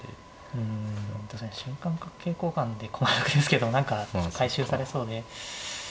うん確かに瞬間角桂交換で駒得ですけど何か回収されそうで。